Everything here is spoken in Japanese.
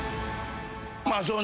まあそうね